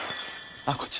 あっこっち？